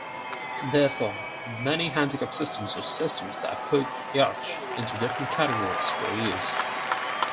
Therefore, many handicap systems or systems that put yachts into different categories were used.